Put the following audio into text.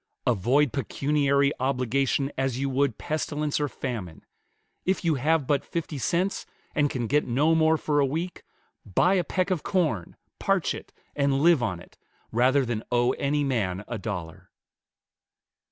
Avoid pecuniary obligation as you would pestilence or famine. If you have but fifty cents, and can get no more for a week, buy a peck of corn, parch it, and live on it, rather than owe any man a dollar."